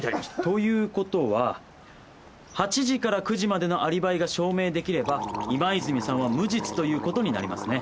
ということは８時から９時までのアリバイが証明出来れば今泉さんは無実ということになりますね。